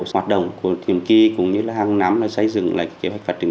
hoạt động của tiềm kỳ cũng như là hàng năm xây dựng kế hoạch phát triển